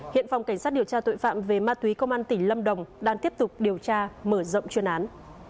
hiện phòng cảnh sát điều tra tội phạm về ma túy công an tỉnh lâm đồng đang tiếp tục điều tra mở rộng chuyên án